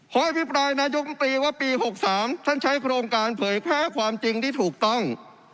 อภิปรายนายกมตรีว่าปี๖๓ท่านใช้โครงการเผยแพ้ความจริงที่ถูกต้อง